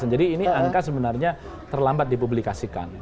jadi ini angka sebenarnya terlambat dipublikasikan